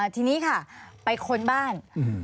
ทีนี้ค่ะไปค้นบ้าน